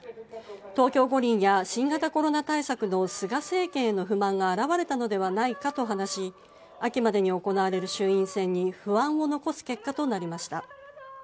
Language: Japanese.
東京五輪や新型コロナ対策の菅政権への不満が表れたのではないかと話し秋までに行われる衆院選に不安を残す結果となりました。